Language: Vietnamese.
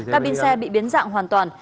các pin xe bị biến dạng hoàn toàn